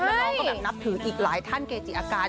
แล้วน้องก็แบบนับถืออีกหลายท่านเกจิอาจารย์